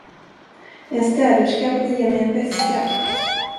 En städerska ville ge mig en väska.